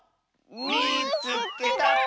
「みいつけた」！